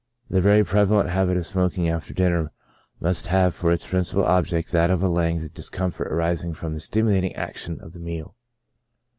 The very prevalent habit of smoking after dinner must have for its principal object that of allaying the discomfort arising from the stimulating action of the meal.